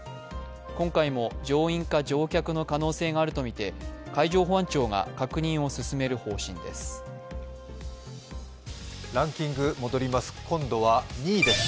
今回も乗員か乗客の可能性があるとみて海上保安庁が確認を進める方針です。